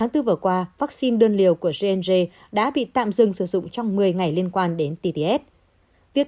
vừa qua vaccine đơn liều của j j đã bị tạm dừng sử dụng trong một mươi ngày liên quan đến tts việc